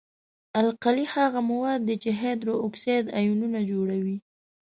القلي هغه مواد دي چې هایدروکساید آیونونه جوړوي.